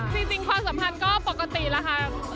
ความสัมพันธ์ก็ปกติแล้วค่ะ